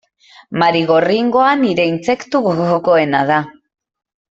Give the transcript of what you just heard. Marigorringoa nire intsektu gogokoena da.